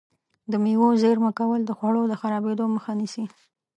د مېوو زېرمه کول د خوړو د خرابېدو مخه نیسي.